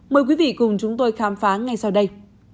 mời quý vị cùng chúng tôi khám phá ngay sau đây